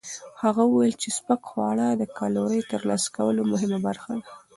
هغه وویل چې سپک خواړه د کالورۍ ترلاسه کولو مهمه برخه ده.